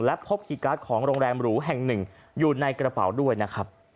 และพบคีย์การ์ดของโรงแรมหรูแห่งหนึ่งอยู่ในกระเป๋าด้วยนะครับ